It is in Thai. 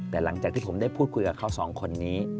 แต่หลังจากที่ผมได้พูดคุยกับเขาสองคนนี้